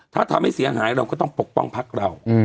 ถ้าทำให้เสียหายเราก็ต้องปกป้องพักเรา